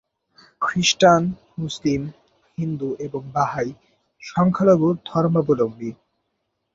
খ্রিস্টান, মুসলিম, হিন্দু এবং বাহাই সংখ্যালঘু ধর্মাবলম্ববী।